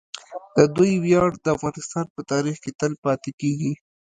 د دوی ویاړ د افغانستان په تاریخ کې تل پاتې کیږي.